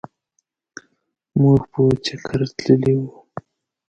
مونږ په چکرتللي وو.